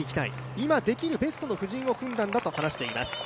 今、できるベストの布陣を組んだんだと話しています。